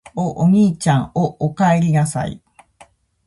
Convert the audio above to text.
お、おにいちゃん・・・お、おかえりなさい・・・